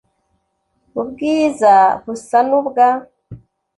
ubwiza busa n ubwa